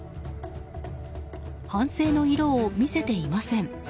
反省の色を見せていません。